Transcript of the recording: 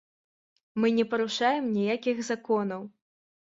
Мы не парушаем ніякіх законаў.